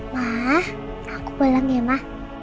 ma aku pulang ya ma